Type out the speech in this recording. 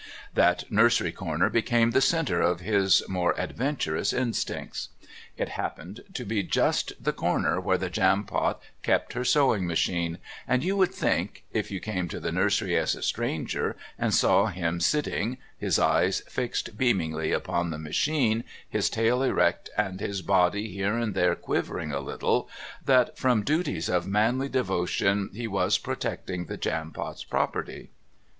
That nursery corner became the centre of all his more adventurous instincts. It happened to be just the corner where the Jampot kept her sewing machine, and you would think, if you came to the nursery as a stranger, and saw him sitting, his eyes fixed beamingly upon the machine, his tail erect, and his body here and there quivering a little, that from duties of manly devotion he was protecting the Jampot's property.